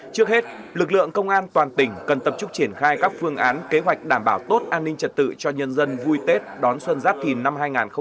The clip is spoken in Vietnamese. trước hết lực lượng công an toàn tỉnh cần tập trung triển khai các phương án kế hoạch đảm bảo tốt an ninh trật tự cho nhân dân vui tết đón xuân giáp thìn năm hai nghìn hai mươi bốn